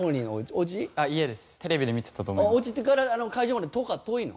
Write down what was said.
おうちから会場まで遠いの？